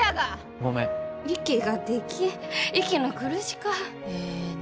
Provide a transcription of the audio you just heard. ごめん息ができん息の苦しかええね